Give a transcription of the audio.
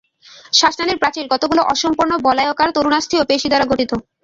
শ্বাসনালীর প্রাচীর কতগুলো অসম্পূর্ণ বলয়াকার তরুণাস্থি ও পেশি দ্বারা গঠিত।